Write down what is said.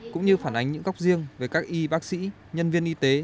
cũng như phản ánh những góc riêng về các y bác sĩ nhân viên y tế